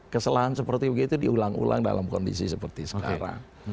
kesalahan seperti begitu diulang ulang dalam kondisi seperti sekarang